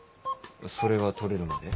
それが取れるまで。